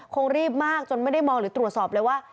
คงรีบมากจนไม่ได้มองหรือตรวจสอบเลยว่า